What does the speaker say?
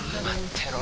てろ